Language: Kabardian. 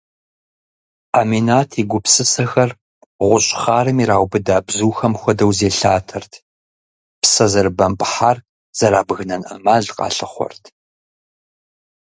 Ӏэминат и гупсысэхэр гъущӏ хъарым ираубыда бзухэм хуэдэу зелъатэрт, псэ зэрыбэмпӏыхьар зэрабгынэн ӏэмал къалъыхъуэрт.